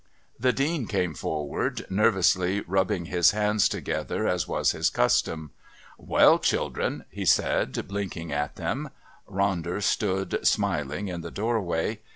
The Dean came forward, nervously rubbing his hands together as was his custom. "Well, children," he said, blinking at them. Ronder stood, smiling, in the doorway.